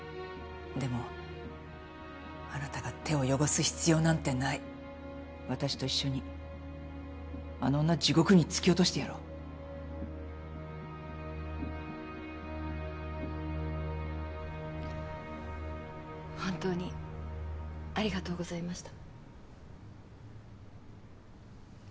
でもあなたが手を汚す必要なんてない私と一緒にあの女地獄に突き落として本当にありがとうございました。